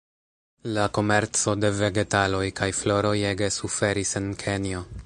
La komerco de Vegetaloj kaj floroj ege suferis en Kenjo.